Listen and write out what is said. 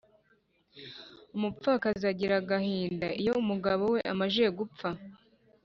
umupfakazi agira agahinda iyo umugabo we amajije gupfa